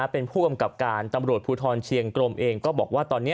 เป็นผู้กำกับการตำรวจภูทรเชียงกรมเองก็บอกว่าตอนนี้